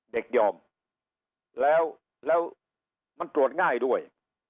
เด็กยอมแล้วแล้วมันตรวจง่ายด้วย